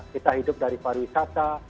kita hidup dari pariwisata